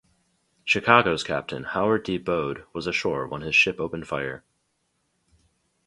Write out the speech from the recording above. "Chicago's" captain, Howard D. Bode, was ashore when his ship opened fire.